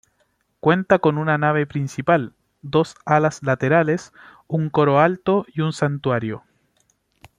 Cuenta con una nave principal, dos alas laterales, un coro alto y un santuario.